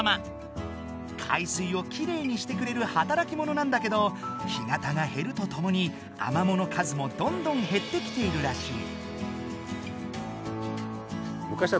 海水をきれいにしてくれるはたらきものなんだけど干潟がへるとともにアマモの数もどんどんへってきているらしい。